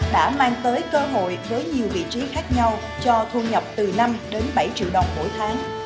đã mang tới cơ hội với nhiều vị trí khác nhau cho thu nhập từ năm đến bảy triệu đồng mỗi tháng